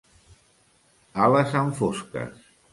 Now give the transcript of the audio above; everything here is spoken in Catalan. A les enfosques.